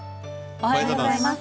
おはようございます。